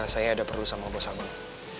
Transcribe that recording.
saya ada perlu sama bos abang